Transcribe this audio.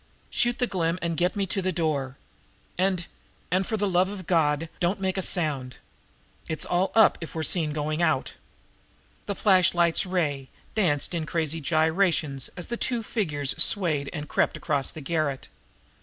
"Shoot the glim, and get me to the door. And and for the love of God, don't make a sound! It's all up if we're seen going out!" The flashlight's ray danced in crazy gyrations as the two figures swayed and crept across the garret.